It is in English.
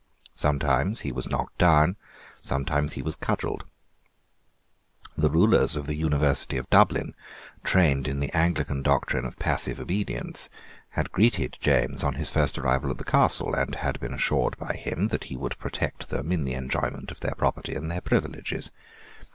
Sometimes he was knocked down: sometimes he was cudgelled, The rulers of the University of Dublin, trained in the Anglican doctrine of passive obedience, had greeted James on his first arrival at the Castle, and had been assured by him that he would protect them in the enjoyment of their property and their privileges.